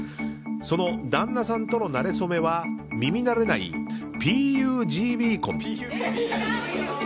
その旦那さんとのなれ初めは耳慣れない、ＰＵＢＧ婚。